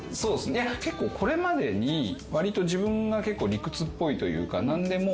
結構これまでにわりと自分が理屈っぽいというか何でも。